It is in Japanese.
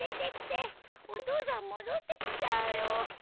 お父さん戻ってきちゃうよ。